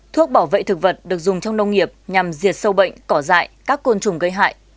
thuốc bảo vệ thực vật được dùng trong nông nghiệp nhằm diệt sâu bệnh cỏ dại các côn trùng gây hại